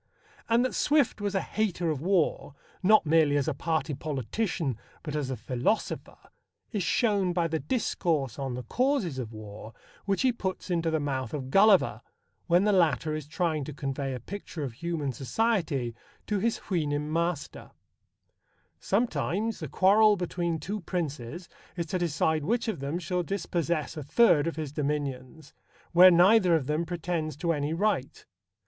And that Swift was a hater of war, not merely as a party politician, but as a philosopher, is shown by the discourse on the causes of war which he puts into the mouth of Gulliver when the latter is trying to convey a picture of human society to his Houyhnhnm master: Sometimes the quarrel between two princes is to decide which of them shall dispossess a third of his dominions, where neither of them pretends to any right.